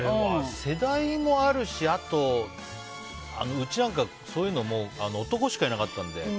世代もあるしあと、うちなんかそういうの男しかいなかったので。